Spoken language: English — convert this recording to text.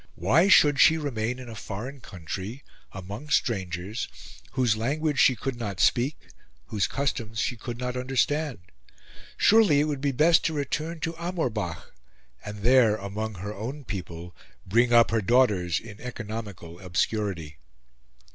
Why should she remain in a foreign country, among strangers, whose language she could not speak, whose customs she could not understand? Surely it would be best to return to Amorbach, and there, among her own people, bring up her daughters in economical obscurity.